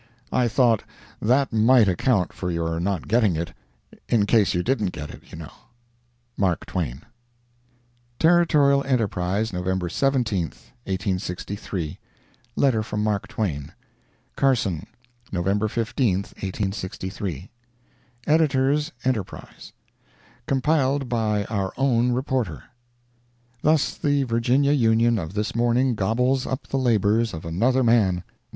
I thought that might account for your not getting it, in case you didn't get it, you know. MARK TWAIN Territorial Enterprise, November 17, 1863 LETTER FROM MARK TWAIN CARSON, November 15, 1863 EDITORS ENTERPRISE: Compiled by our own Reporter! Thus the Virginia Union of this morning gobbles up the labors of another man.